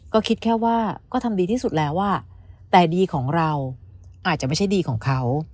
ก็คิดแค่ว่าก็ทำดีที่สุดแล้วอ่ะแต่ดีของเราอาจจะไม่ใช่ดีของเขา